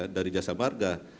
dari jasa barga